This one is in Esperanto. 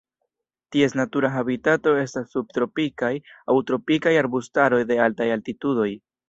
Ties natura habitato estas subtropikaj aŭ tropikaj arbustaroj de altaj altitudoj.